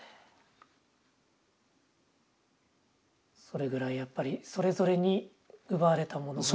それぐらいやっぱりそれぞれに奪われたものが。